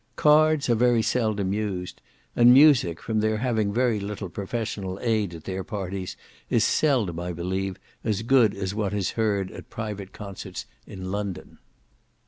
Cards are very seldom used; and music, from their having very little professional aid at their parties is seldom, I believe, as good as what is heard at private concerts in London.